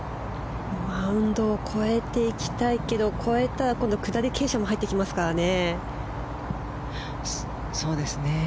マウンドを越えていきたいけども越えたら、今度は下り傾斜も入ってきますからね。